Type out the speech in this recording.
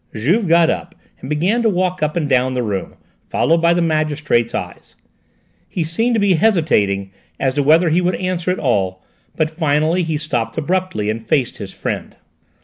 Juve got up and began to walk up and down the room, followed by the magistrate's eyes. He seemed to be hesitating as to whether he would answer at all, but finally he stopped abruptly and faced his friend.